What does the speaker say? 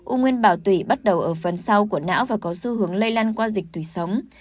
u nguyên bào tủy bắt đầu ở phần sau của não và có xu hướng lây lan qua dịch tủy sống